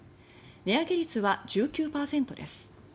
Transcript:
値上げ率は１９％です。